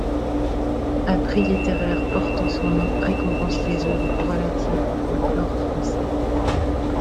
Un prix littéraire portant son nom récompense les œuvres relatives au folklore français.